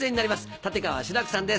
立川志らくさんです